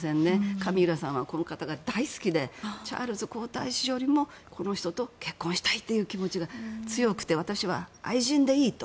カミラ夫人はこの方が大好きでチャールズ国王よりもこの人と結婚したい気持ちが強くて私は愛人でいいと。